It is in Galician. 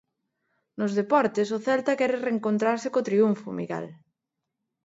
Nos deportes, o Celta quere rencontrarse co triunfo, Miguel.